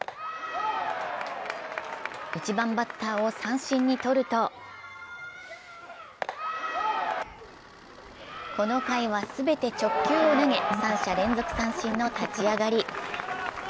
１番バッターを三振にとるとこの回は全て直球を投げ三者連続三振の立ち上がり。